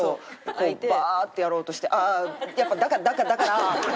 こうバーッてやろうとして「ああ」「だからだからだから」。